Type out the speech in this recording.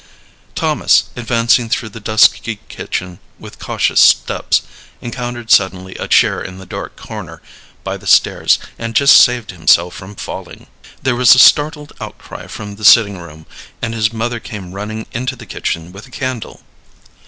Thomas, advancing through the dusky kitchen with cautious steps, encountered suddenly a chair in the dark corner by the stairs, and just saved himself from falling. There was a startled outcry from the sitting room, and his mother came running into the kitchen with a candle.